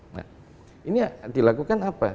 nah ini dilakukan apa